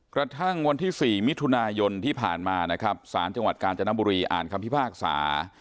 กระทั่งวันที่๔มิถุนายนที่ผ่านมานะครับสารจังหวัดกาญจนบุรีอ่านคำพิพากษา